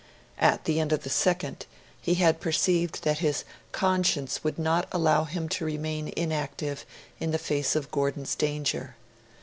At the end of the second, he had perceived that his conscience would not allow him to remain inactive in the face of Gordon's danger.